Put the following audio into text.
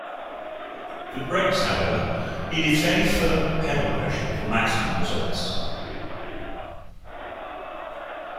The brakes, however, needed "fairly firm pedal pressure ... for maximum results".